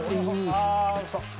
ああーおいしそう！